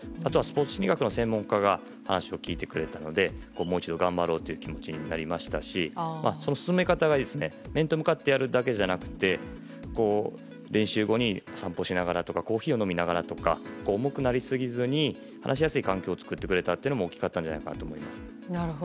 チームの先生が話を聞いてくれたのでもう一度頑張ろうという気持ちになりましたし面と向かってやるだけじゃなくて練習後に散歩をしながらとかコーヒーを飲みながらとか重くなりすぎずに話しやすい環境を作ってくれたのも大きかったと思います。